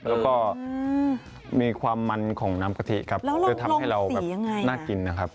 แล้วก็มีความมันของน้ำกะทิครับทำให้เราน่ากินนะครับแล้วลงสียังไง